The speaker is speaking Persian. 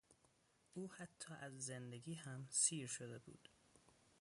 او حتی از زندگی هم سیر شده بود.